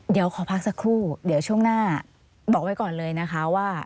เดี๋ยวขอพักสักครู่เดี๋ยวช่วงหน้าบอกไว้ก่อนเลยนะคะว่า